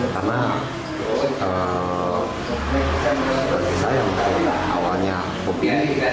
karena seperti saya yang tadi awalnya hobi